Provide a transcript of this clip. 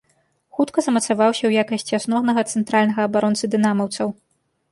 Хутка замацаваўся ў якасці асноўнага цэнтральнага абаронцы дынамаўцаў.